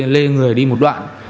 lê người đi một đoạn